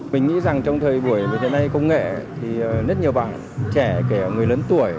mình nghĩ rằng trong thời buổi về thế này công nghệ thì rất nhiều bạn trẻ kể cả người lớn tuổi